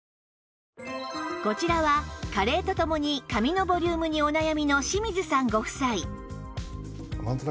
こちらは加齢とともに髪のボリュームにお悩みの清水さんご夫妻